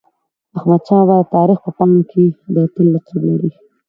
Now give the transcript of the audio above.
احمدشاه بابا د تاریخ په پاڼو کي د اتل لقب لري.